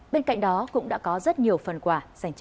bên cạnh đó cũng đã có rất nhiều phần